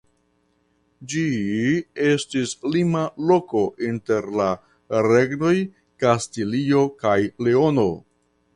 Ĝi estis lima loko inter la regnoj Kastilio kaj Leono.